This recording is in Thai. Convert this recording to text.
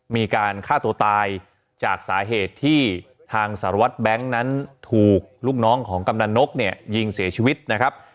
มีการฆ่าตัวตายจากสาเหตุที่ทางสารวัตรแบงค์นั้นถูกลูกน้องของกำนันนกเนี่ยยิงเสียชีวิตนะครับ